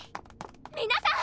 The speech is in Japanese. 皆さん！